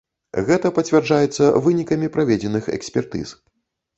Гэта пацвярджаецца вынікамі праведзеных экспертыз.